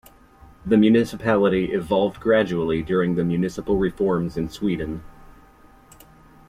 The municipality evolved gradually during the municipal reforms in Sweden.